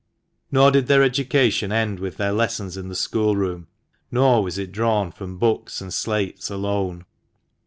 Nor did their education end with their lessons in the schoolroom, nor was it drawn from books and slates alone.